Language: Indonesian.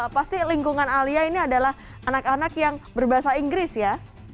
pasti lingkungan alia ini adalah anak anak yang berbahasa inggris ya